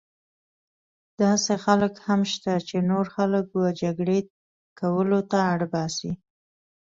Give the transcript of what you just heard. داسې خلک هم شته چې نور خلک وه جګړې کولو ته اړ باسي.